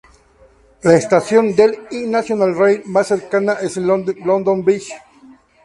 La estación del y National Rail más cercana es London Bridge.